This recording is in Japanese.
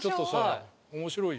面白いよ。